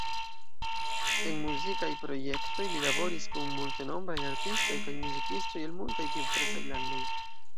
En muzikaj projektoj li laboris kun multenombraj artistoj kaj muzikistoj el multaj diversaj landoj.